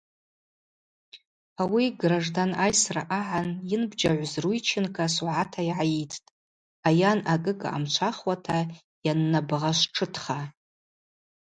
Ауи Граждан айсра агӏан йынбжьагӏв Зруйченко согӏата йгӏайыйттӏ, айан акӏыкӏа амчвахуата йаннабгъашвтшытха.